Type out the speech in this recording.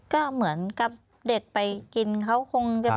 ก็เหมือนกับเด็กไปกินเขาคงจะ